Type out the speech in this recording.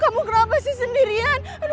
kamu kenapa sih sendirian